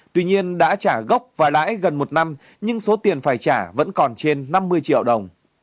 tuy nhiên đã trả gốc và lãi gần một năm nhưng số tiền phải trả vẫn còn trên năm mươi triệu đồng